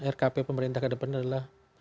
rkp pemerintah ke depan adalah